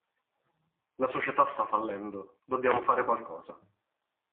La società sta fallendo, dobbiamo fare qualcosa.